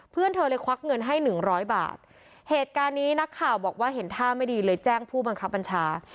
เพื่อนเธอเลยควักเงินให้หนึ่งร้อยบาทเหตุการณ์นี้นักข่าวบอกว่าเห็นท่าไม่ดีเลยแจ้งผู้บังคับบัญชา